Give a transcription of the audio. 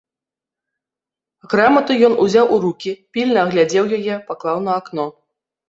Грамату ён узяў у рукі, пільна агледзеў яе, паклаў на акно.